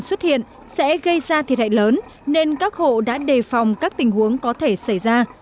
xuất hiện sẽ gây ra thiệt hại lớn nên các hộ đã đề phòng các tình huống có thể xảy ra